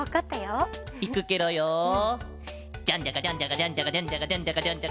ジャンジャカジャンジャカジャンジャカジャンジャカジャンジャカ。